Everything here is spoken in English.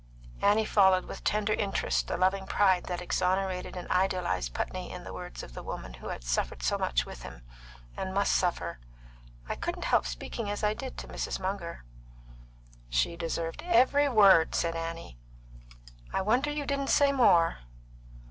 Annie followed with tender interest the loving pride that exonerated and idealised Putney in the words of the woman who had suffered so much with him, and must suffer. "I couldn't help speaking as I did to Mrs. Munger." "She deserved it every word," said Annie. "I wonder you didn't say more."